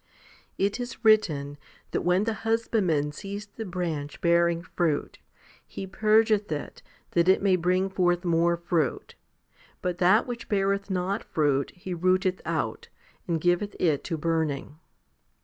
20. It is written that when the husbandman sees the HOMILY XXVI 195 branch bearing fruit, he purgeth it, that it may bring forth more fruit, but that which beareth not fruit he rooteth out, and giveth it to burning.